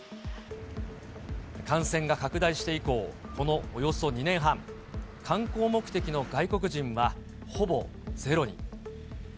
感染が拡大して以降、このおよそ２年半、観光目的の外国人はほぼゼロに。